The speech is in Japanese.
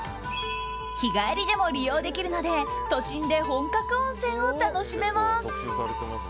日帰りでも利用できるので都心で本格温泉を楽しめます。